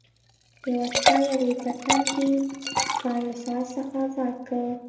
یوه شپه یوې پتنګې ټام له ساعت څخه ازاد کړ.